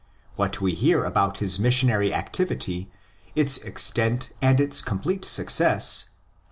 What we hear about his missionary activity, its extent and its complete success (xv.